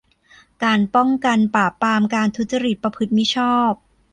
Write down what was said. การป้องกัน ปราบปรามการทุจริตประพฤติมิชอบ